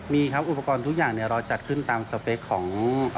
มีครับอุปกรณ์ทุกอย่างเราจัดขึ้นตามสเปคของ